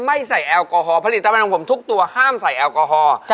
ใส่แอลกอฮอลผลิตภัณฑ์ของผมทุกตัวห้ามใส่แอลกอฮอล์